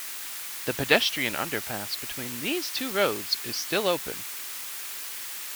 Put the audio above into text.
The pedestrian underpass between these two roads is still open.